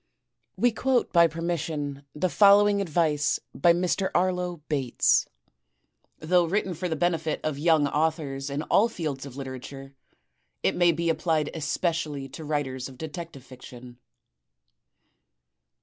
We quote by permission the following advice by Mr. Arlo Bates. Though written for the benefit of yoimg authors in all fields of literature, it may be applied especially to writers of detective fiction.